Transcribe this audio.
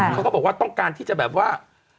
เขาก็บอกว่าต้องการที่จะแบบว่า